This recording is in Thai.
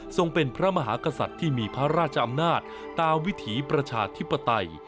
เป็นพระมหากษัตริย์ที่มีพระราชอำนาจตามวิถีประชาธิปไตย